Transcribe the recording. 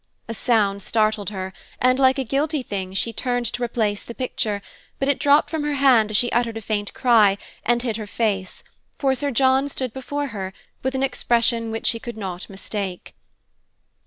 A sound startled her, and like a guilty thing, she turned to replace the picture; but it dropped from her hand as she uttered a faint cry and hid her face, for Sir John stood before her, with an expression which she could not mistake.